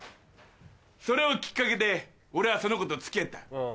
それをきっかけで俺はその子と付き合った。